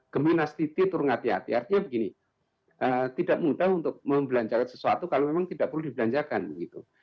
geminastiti turgatiati artinya begini tidak mudah untuk membelanjakan sesuatu kalau memang tidak perlu